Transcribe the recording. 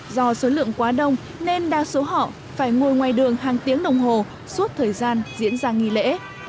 do số lượng quá đông nên đa số họ phải ngồi ngoài đường hàng tiếng đồng hồ suốt thời gian diễn ra nghi lễ